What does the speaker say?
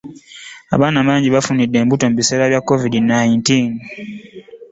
Abaana bangi bafunidde embuto mu biseera bya covid nineteen.